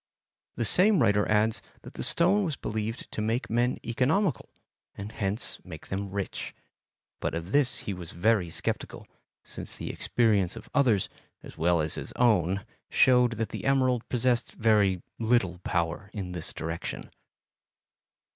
The same writer adds that the stone was believed to make men economical and hence to make them rich, but of this he was very sceptical, since the experience of others as well as his own showed that the emerald possessed very little power in this direction.